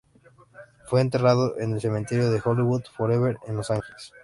Fue enterrado en el Cementerio Hollywood Forever, en Los Ángeles.